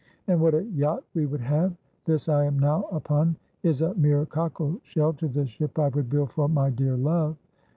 And what a yacht we would have ! This I am now upon is a mere cockle shell to the ship I would build for my dear love.